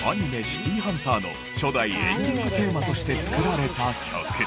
『シティーハンター』の初代エンディングテーマとして作られた曲。